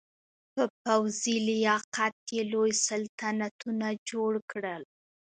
په پوځي لیاقت یې لوی سلطنتونه جوړ کړل.